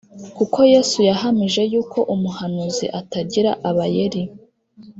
kuko Yesu yahamije yuko umuhanuzi atagira abayeri